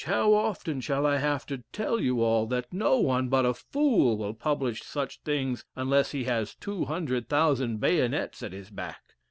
How often shall I have to tell you all that no one but a fool will publish such things unless he has 200,000 bayonets at his back?